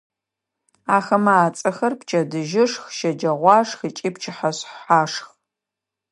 Ахэмэ ацӏэхэр: пчэдыжьышх, щэджэгъуашх ыкӏи пчыхьэшъхьашх.